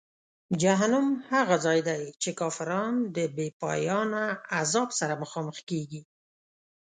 جهنم هغه ځای دی چې کافران د بېپایانه عذاب سره مخامخ کیږي.